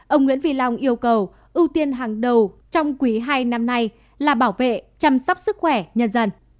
ông nguyễn phi long yêu cầu ưu tiên hàng đầu trong quý hai năm nay là bảo vệ chăm sóc sức khỏe nhân dân